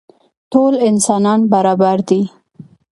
ټول انسانان برابر دي.